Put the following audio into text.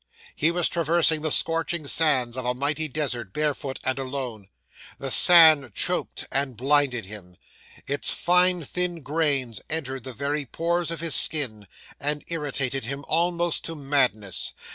'He was traversing the scorching sands of a mighty desert, barefoot and alone. The sand choked and blinded him; its fine thin grains entered the very pores of his skin, and irritated him almost to madness.